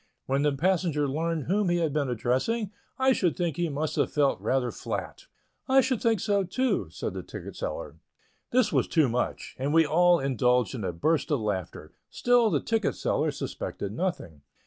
When the passenger learned whom he had been addressing, I should think he must have felt rather flat." "I should think so, too," said the ticket seller. This was too much, and we all indulged in a burst of laughter; still the ticket seller suspected nothing.